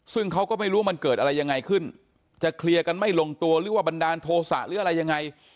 ซึ่งเขาก็ไม่รู้ว่ามันเกิดอะไรยังไงขึ้นจะเคลียร์กันไม่ลงตัวหรือว่าบันดาลโทษะหรืออะไรยังไง